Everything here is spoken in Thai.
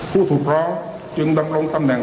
ผู้ถูกร้องจึงดำรงตำแหน่ง